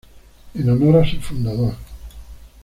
En honor a su fundador.